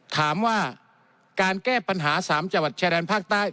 ถามว่าการแก้ปัญหา๓จังหวัดชายแดนภาคใต้